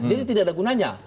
jadi tidak ada gunanya